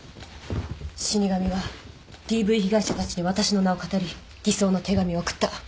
死神はＤＶ被害者たちに私の名をかたり偽装の手紙を送った。